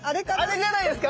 あれじゃないですか？